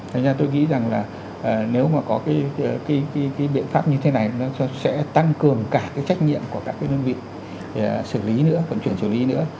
thành ra tôi nghĩ rằng là nếu mà có cái biện pháp như thế này nó sẽ tăng cường cả cái trách nhiệm của các cái đơn vị xử lý nữa vận chuyển xử lý nữa